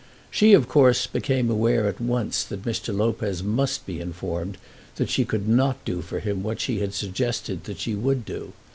She of course became aware at once that Mr. Lopez must be informed that she could not do for him what she had suggested that she would do.